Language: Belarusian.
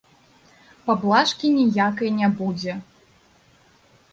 Паблажкі ніякай не будзе.